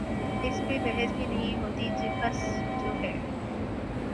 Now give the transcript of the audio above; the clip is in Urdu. اس پہ بحث بھی نہیں ہوتی بس جو ہے۔